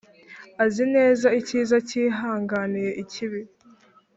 azi neza icyiza cyihanganiye ikibi.